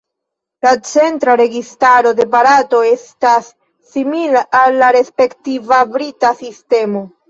La centra registaro de Barato estas simila al la respektiva brita sistemo.